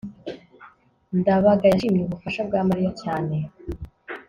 ndabaga yashimye ubufasha bwa mariya cyane